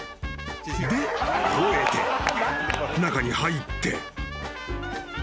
［で吠えて中に入って］